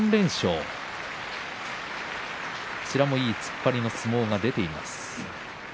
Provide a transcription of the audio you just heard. こちらもいい突っ張りの相撲が出ています。